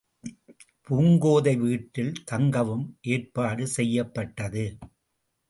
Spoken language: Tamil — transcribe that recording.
பூங்கோதை வீட்டில் தங்கவும் ஏற்பாடு செய்யப்பட்டது.